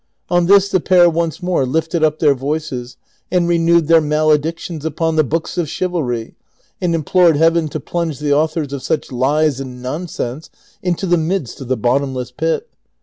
On this the pair once more lifted up their voices and renewed their maledictions upon the books of chivalry, and implored Heaven to plunge the authors of such lies and nonsense into the midst of the bottomless pit.